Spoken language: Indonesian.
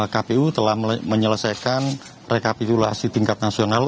kpu telah menyelesaikan rekapitulasi tingkat nasional